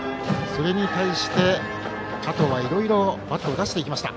それに対して、加藤はいろいろバットを出していきました。